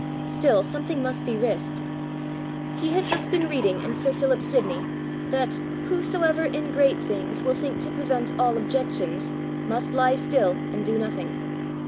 Still something must be risked! He had just been reading in sir Philip Sidney, that "whosoever in great things will think to prevent all objections, must lie still and do nothing."